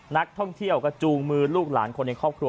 นักท่องเที่ยวก็จูงมือลูกหลานคนในครอบครัว